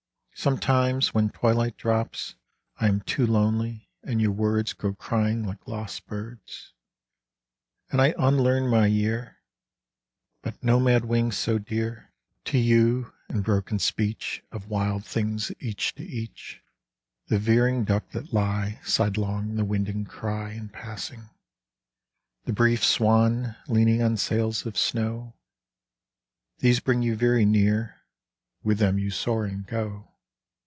Sometimes when twilight drops I am too lonely and your words Go crying like lost birds, And I unlearn my year. But nomad wings so dear 37 Adventure To you, and broken speech Of wild things each to each, The veering duck that lie Sidelong the wind and cry In passing, the brief swan Leaning on sails of snow, These bring you very near; With them you soar and go.